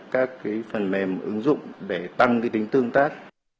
các phần mềm ứng dụng để tăng tính tương tác